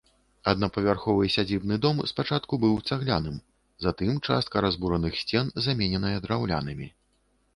Аднапавярховы сядзібны дом спачатку быў цагляным, затым частка разбураных сцен замененая драўлянымі.